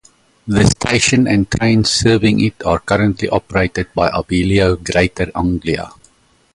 The station and trains serving it are currently operated by Abellio Greater Anglia.